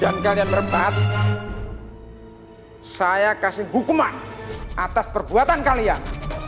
dan kalian berbat saya kasih hukuman atas perbuatan kalian